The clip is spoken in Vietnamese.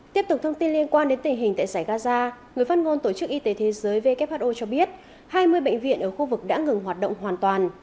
tiếp tục thông tin liên quan đến tình hình tại giải gaza người phát ngôn tổ chức y tế thế giới who cho biết hai mươi bệnh viện ở khu vực đã ngừng hoạt động hoàn toàn